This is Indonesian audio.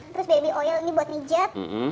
terus baby oil ini buat ngejet